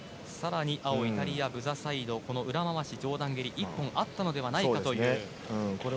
更にブザサイド裏回し上段蹴り１本あったのではないかという。